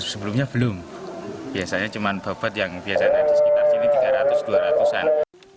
sebelumnya belum biasanya cuma bobot yang biasanya di sekitar sini tiga ratus dua ratus an